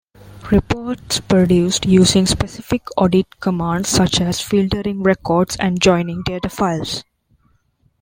Reports produced using specific audit commands such as filtering records and joining data files.